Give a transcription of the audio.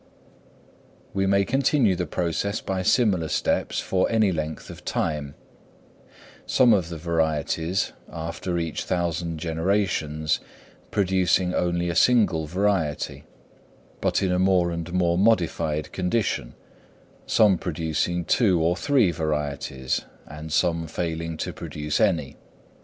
We may continue the process by similar steps for any length of time; some of the varieties, after each thousand generations, producing only a single variety, but in a more and more modified condition, some producing two or three varieties, and some failing to produce any.